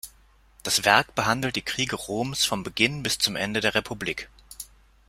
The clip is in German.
Das Werk behandelt die Kriege Roms vom Beginn bis zum Ende der Republik.